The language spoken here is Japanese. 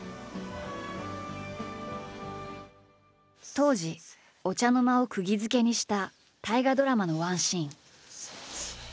当時お茶の間をくぎづけにした大河ドラマのワンシーン。